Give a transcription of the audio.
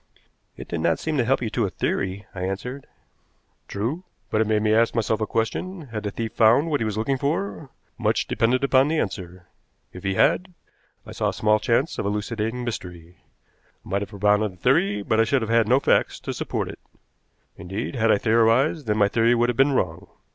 "It did not seem to help you to a theory," I answered. "True. But it made me ask myself a question. Had the thief found what he was looking for? Much depended upon the answer. If he had, I saw small chance of elucidating the mystery. I might have propounded a theory, but I should have had no facts to support it. "Indeed, had I theorized, then my theory would have been wrong.